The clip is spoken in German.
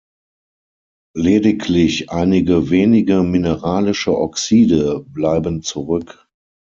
Lediglich einige wenige mineralische Oxide bleiben zurück.